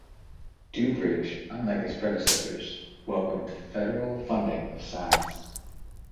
DuBridge, unlike his predecessors, welcomed federal funding of science.